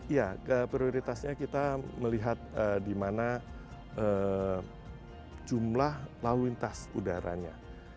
ya prioritasnya kita melihat di mana jumlah lalu lintas udaranya